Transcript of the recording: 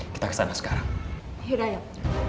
kita ke sana sekarang